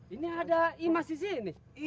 ini ada imas di sini